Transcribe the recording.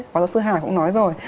phó giáo sư hà cũng nói rồi